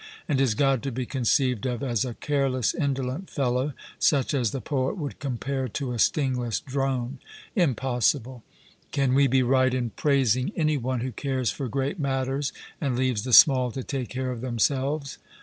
And is God to be conceived of as a careless, indolent fellow, such as the poet would compare to a stingless drone? 'Impossible.' Can we be right in praising any one who cares for great matters and leaves the small to take care of themselves?